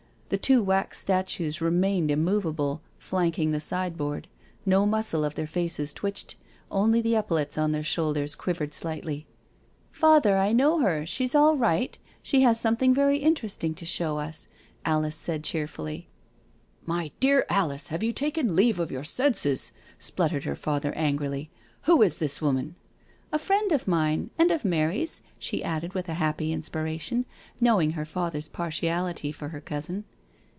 The two wax statues remained immovable, flanking the sidebx>ard. No muscle of their faces twitched — only the epaulettes on their shoulders quivered slightly. " Father, I know her — she's all right — ^she has some thing very interesting to show us," Alice said cheerfully. " My dear Alice, have you taken leave of your senses?" spluttered her father angrily. "Who is this woman?" " A friend of mine— and of Mary's," she added with a happy inspiration, knowing her father's partiality for her cousin.